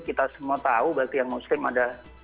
kita semua tahu bagi yang muslim ada